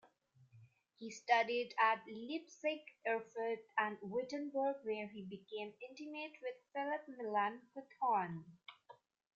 He studied at Leipzig, Erfurt and Wittenberg, where he became intimate with Philipp Melanchthon.